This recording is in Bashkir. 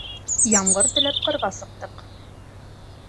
Ямғыр теләп кырға сыҡтык